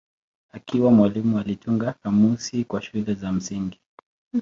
Akiwa mwalimu alitunga kamusi kwa shule za msingi.